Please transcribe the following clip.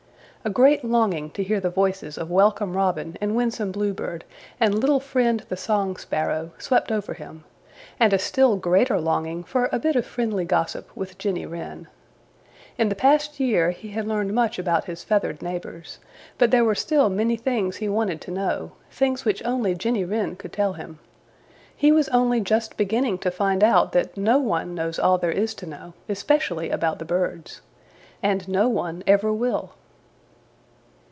A great longing to hear the voices of Welcome Robin and Winsome Bluebird and Little Friend the Song Sparrow swept over him, and a still greater longing for a bit of friendly gossip with Jenny Wren. In the past year he had learned much about his feathered neighbors, but there were still many things he wanted to know, things which only Jenny Wren could tell him. He was only just beginning to find out that no one knows all there is to know, especially about the birds. And no one ever will.